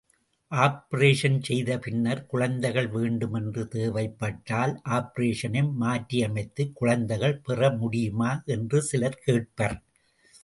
Operation செய்த பின்னர் குழந்தைகள் வேண்டும் என்று தேவைப்பட்டால், ஆப்பரேஷனை மாற்றியமைத்துக் குழந்தைகள் பெறமுடியுமா என்று சிலர் கேட்பர்.